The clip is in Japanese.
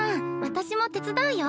私も手伝うよ。